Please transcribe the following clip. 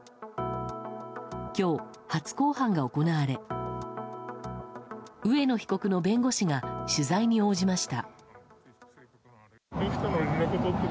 今日、初公判が行われ上野被告の弁護士が取材に応じました。